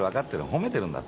褒めてるんだって。